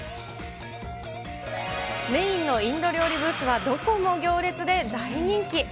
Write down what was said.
メインのインド料理ブースは、どこも行列で大人気。